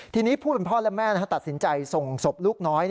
ทีนี้ผู้เป็นพ่อและแม่ตัดสินใจส่งศพลูกน้อย